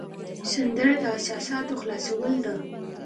سندره د احساساتو خلاصول ده